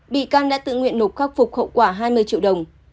bị căn đã tự nguyện nộp khắc phục khẩu quả hai mươi triệu đồng